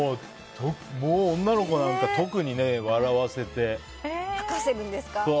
もう、女の子なんか特に吐かせるんですか？